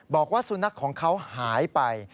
บอกว่าสุนัขของเขาหายไป